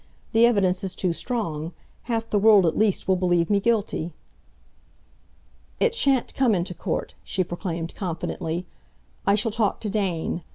The evidence is too strong. Half the world at least will believe me guilty." "It shan't come into court," she proclaimed confidently. "I shall talk to Dane.